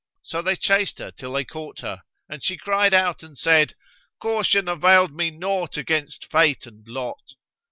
So they chased her till they caught her and she cried out and said, "Caution availed me naught against Fate and Lot!'